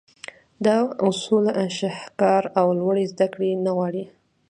دا اصول شهکار او لوړې زدهکړې نه غواړي.